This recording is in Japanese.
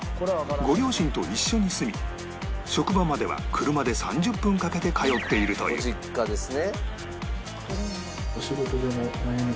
ご両親と一緒に住み職場までは車で３０分かけて通っているというご実家ですね。